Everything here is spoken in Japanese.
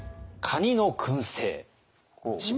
カニのくんせい？